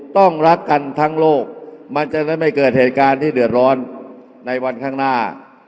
ต้องรักกันทั้งโลกมันจะได้ไม่เกิดเหตุการณ์ที่เดือดร้อนในวันข้างหน้า